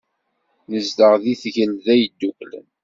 Nezdeɣ deg Tgelda Yedduklen.